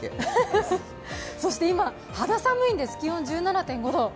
そして今、膚寒いんです、気温１７．５度。